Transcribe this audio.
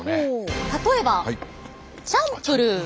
例えばチャンプルー。